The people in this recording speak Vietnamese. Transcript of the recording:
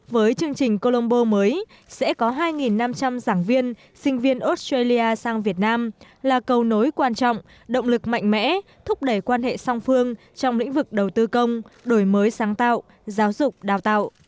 với chương trình colombo mới sẽ có hai năm trăm linh giảng viên sinh viên australia sang việt nam là cầu nối quan trọng động lực mạnh mẽ thúc đẩy quan hệ song phương trong lĩnh vực đầu tư công đổi mới sáng tạo giáo dục đào tạo